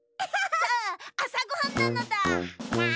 さああさごはんなのだ！